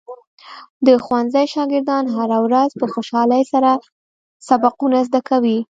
د ښوونځي شاګردان هره ورځ په خوشحالۍ سره سبقونه زده کوي.